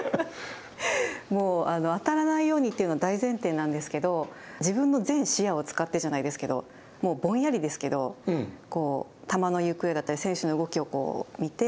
もう当たらないようにというのは大前提なんですけど自分の全視野を使ってじゃないですけど、もうぼんやりですけど球の行方だったり、選手の動きを見て